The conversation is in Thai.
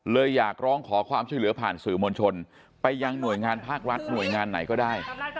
เลยอยากร้องขอความช่วยเหลือผ่านสื่อมวลชนไปยังหน่วยงานภาครัฐหน่วยงานไหนก็ได้